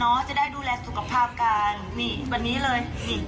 เนาะจะได้ดูแลสุขกระภาพกันนี่วันนี้เลย